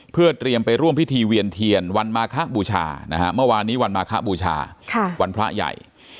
เพื่อเตรียมไปร่วมพิธีเวียนเทียนวันมาคะบูชาวันพระใหญ่